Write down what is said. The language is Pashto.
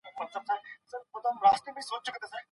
د علماوو رول يې د اصلاح بنسټ باله.